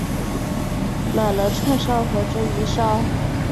买了串烧和鲷鱼烧